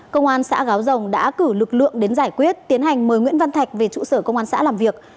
công an xã gáo rồng đã cử lực lượng đến giải quyết tiến hành mời nguyễn văn thạch về trụ sở công an xã làm việc